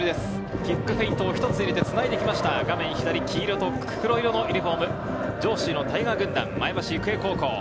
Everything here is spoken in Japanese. キックフェイントを一つ入れてつないできました、画面左、黄色と黒色のユニホーム、上州のタイガー軍団・前橋育英高校。